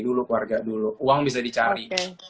dulu keluarga dulu uang bisa dicari